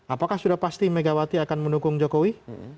apakah sudah pasti megawati akan mendukung jokowi